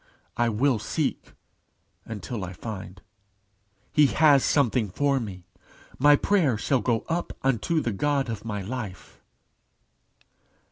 I will seek until I find. He has something for me. My prayer shall go up unto the God of my life."